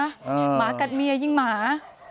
หมากัดเมียยิงหมา